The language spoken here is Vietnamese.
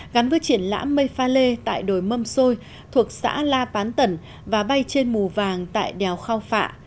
gắn với triển lãm mây pha lê tại đồi mâm xôi thuộc xã la bán tẩn và bay trên mù vàng tại đèo khao phạ